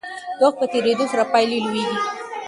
د وخت په تیریدو سره پایلې لویېږي.